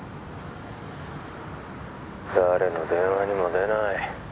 ☎誰の電話にも出ない